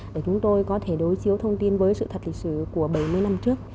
để chúng tôi có thể đối chiếu thông tin với sự thật lịch sử của bảy mươi năm trước